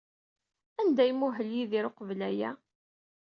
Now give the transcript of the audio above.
Anda ay imuhel Yidir uqbel aya?